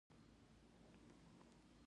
انتقام مه اخلئ